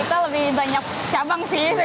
kita lebih banyak cabang sih